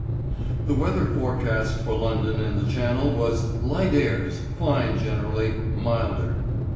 The weather forecast for London and the Channel was "light airs, fine generally, milder."